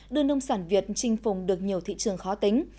đưa nông sản việt trinh phồng được nhiều thị trường khó tính